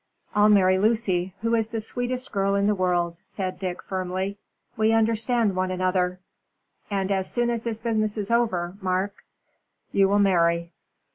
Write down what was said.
"I'll marry Lucy, who is the sweetest girl in the world," said Dick, firmly. "We understand one another, and as soon as this business is over, Mark " "You will marry."